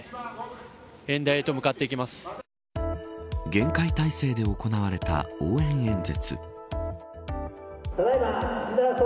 厳戒態勢で行われた応援演説。